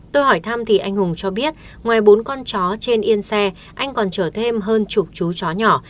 tôi hỏi thăm thì anh hùng cho biết ngoài bốn con chó trên yên xe anh còn chở thêm hơn chục chú chó nhỏ